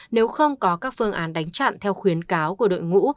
nếu không có các phương án đánh chặn theo khuyến cáo của đội ngũ